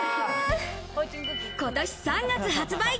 今年３月発売。